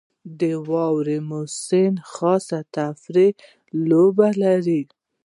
• د واورې موسم خاص تفریحي لوبې لري.